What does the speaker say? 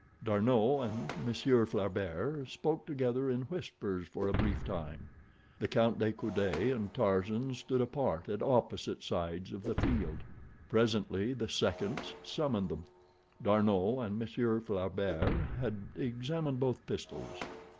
D'Arnot and Monsieur Flaubert spoke together in whispers for a brief time. The Count de Coude and Tarzan stood apart at opposite sides of the field. Presently the seconds summoned them. D'Arnot and Monsieur Flaubert had examined both pistols.